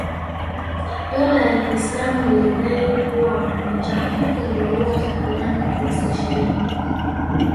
Dola ya kiislamu lilidai kuwa wanachama wake waliwauwa takribani wakristo ishirini.